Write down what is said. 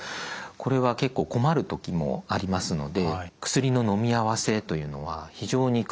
これは結構困る時もありますので薬ののみ合わせというのは非常に工夫が必要になってきます。